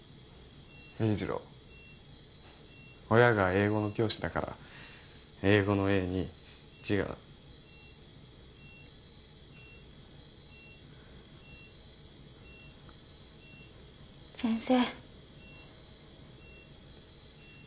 英二郎親が英語の教師だから英語の「英」に「二」は先生